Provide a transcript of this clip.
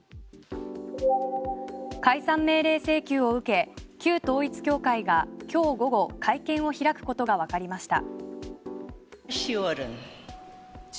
解散命令請求を受け旧統一教会が今日午後会見を開くことがわかりました。